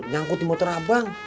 nyangkut di motor abang